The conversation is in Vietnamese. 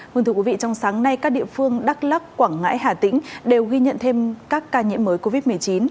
vâng thưa quý vị trong sáng nay các địa phương đắk lắc quảng ngãi hà tĩnh đều ghi nhận thêm các ca nhiễm mới covid một mươi chín